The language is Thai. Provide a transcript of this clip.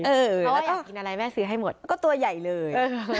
แล้วอยากกินอะไรแม่ซื้อให้หมดก็ตัวใหญ่เลย